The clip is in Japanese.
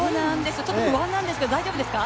ちょっと不安なんですけど、大丈夫ですか？